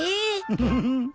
フフフフ。